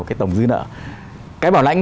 cái tổng dư nợ cái bảo lãnh